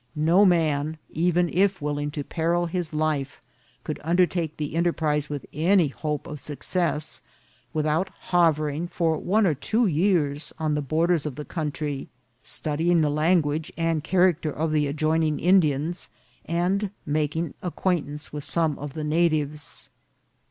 No man, even if willing to peril his life, could undertake the enterprise with any hope of success, without hovering for one or two years on the borders of the country, studying the language and char acter of the adjoining Indians, and making acquaintance with some of the natives.